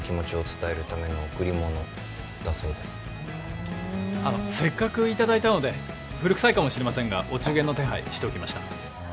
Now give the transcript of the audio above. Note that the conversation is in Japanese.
「伝えるための贈り物」だそうですふんあのせっかくいただいたので古くさいかもしれませんがお中元の手配しておきました